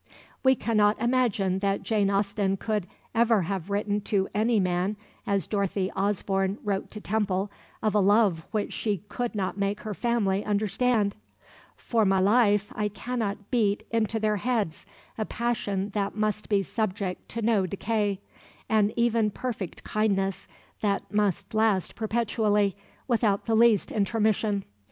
We cannot imagine that Jane Austen could ever have written to any man, as Dorothy Osborne wrote to Temple of a love which she could not make her family understand: "For my life I cannot beat into their heads a passion that must be subject to no decay, an even perfect kindness that must last perpetually, without the least intermission.